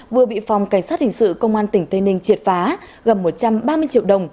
vừa bị phòng cảnh sát hình sự công an tỉnh tây ninh triệt phá gần một trăm ba mươi triệu đồng